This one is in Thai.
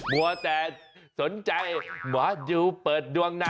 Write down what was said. มัวแต่สนใจหมอดูเปิดดวงหน้า